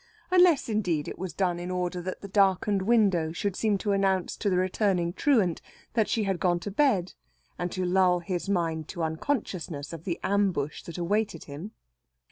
Unless, indeed, it was done in order that the darkened window should seem to announce to the returning truant that she had gone to bed, and to lull his mind to unconsciousness of the ambush that awaited him.